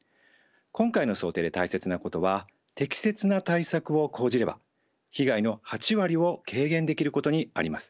今回の想定で大切なことは適切な対策を講じれば被害の８割を軽減できることにあります。